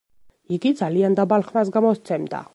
იგი ძალიან დაბალ ხმას გამოსცემდა.